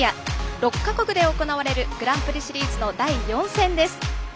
６か国で行われるグランプリシリーズの第４戦です。